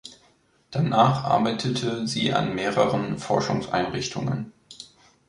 Danach arbeitete sie an mehreren Forschungseinrichtungen.